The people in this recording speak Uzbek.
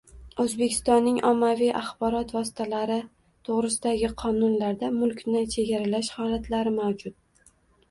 O‘zbekistonning Ommaviy axborot vositalari to‘g‘risidagi qonunlarida mulkni chegaralash holatlari mavjud.